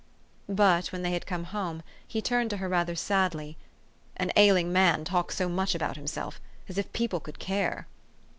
But, when they had come home, he turned to her rather sadly, " An ailing man talks so much about himself! as if people could care."